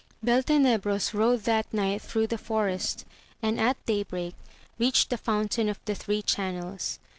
Beltenebros rode that night through the forest, and dt day break reached the Fountain of the Three Chan nels.